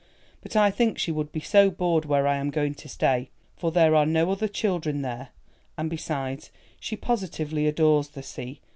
But I think she would be so bored where I am going to stay, for there are no other children there; and besides, she positively adores the sea.